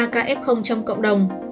ba kf trong cộng đồng